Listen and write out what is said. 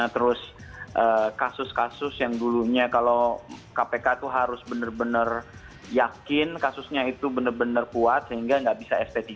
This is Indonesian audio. terus kasus kasus yang dulunya kalau kpk itu harus benar benar yakin kasusnya itu benar benar kuat sehingga nggak bisa sp tiga